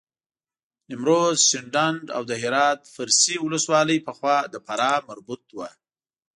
نیمروز، شینډنداو د هرات فرسي ولسوالۍ پخوا د فراه مربوط وه.